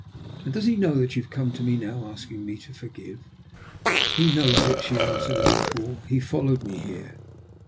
"And does he know that you have come to me now asking me to forgive?" "He knows it," she answered, as before. "He followed me here."